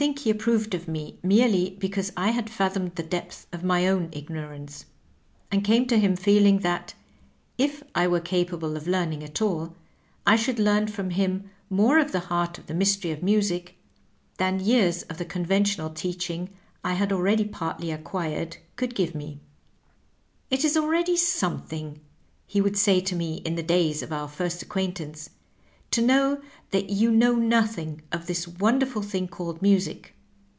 he approved of me merely because I had fath omed the depth of my own ignorance, and came to him feeling that, if I were capable of learning at all, I should learn from him more of the heart of the mys tery of music than years of the conventional teaching I had already partly acquired could give me, "It is already something," he would say to me in the days of our first acquaintance, "to know that you know nothing of this wonderful thing called music.